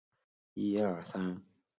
妻子琚逸芳。